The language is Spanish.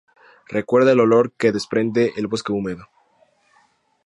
Recuerda el olor que desprende el bosque húmedo.